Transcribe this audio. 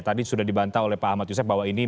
tadi sudah dibantah oleh pak ahmad yusef bahwa ini